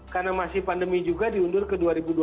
karena masih pandemi juga diundur ke dua ribu dua puluh tiga